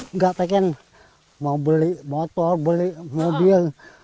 enggak pengen mau beli motor beli mobil